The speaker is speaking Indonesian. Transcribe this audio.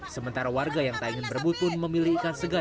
sementara warga yang tak ingin berbutuh memilih ikan segar